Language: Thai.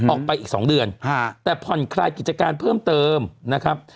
ออกไปอีก๒เดือนแต่ผ่อนคลายกิจการเพิ่มเติมนะครับ